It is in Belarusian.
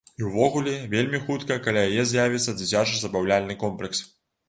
І увогуле, вельмі хутка каля яе з'явіцца дзіцячы забаўляльны комплекс.